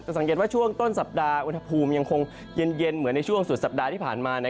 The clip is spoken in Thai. สังเกตว่าช่วงต้นสัปดาห์อุณหภูมิยังคงเย็นเหมือนในช่วงสุดสัปดาห์ที่ผ่านมา